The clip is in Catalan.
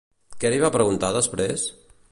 Què li va preguntar després?